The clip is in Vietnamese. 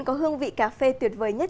có hương vị cà phê tuyệt vời nhất